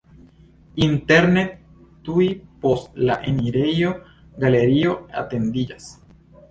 Interne tuj post la enirejo galerio etendiĝas.